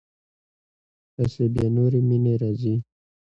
پسې بیا نورې مینې راځي.